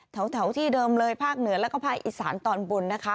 แถวที่เดิมเลยภาคเหนือแล้วก็ภาคอีสานตอนบนนะคะ